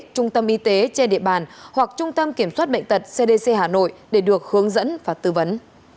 trung tâm y tế trên địa bàn hoặc trung tâm kiểm soát bệnh tật cdc hà nội để được hướng dẫn và tư vấn